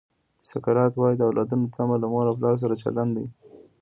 سقراط وایي د اولادونو تمه له مور او پلار سره چلند دی.